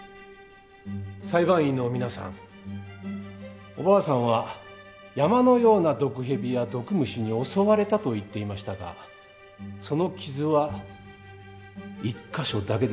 裁判員の皆さんおばあさんは山のような毒蛇や毒虫に襲われたと言っていましたがその傷は一か所だけです。